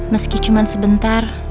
meski cuma sebentar